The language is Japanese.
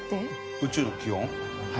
宇宙の気温？